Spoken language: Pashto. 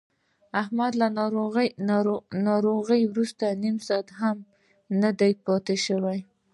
احمد له ناروغۍ ورسته نیم هم نه دی پاتې شوی.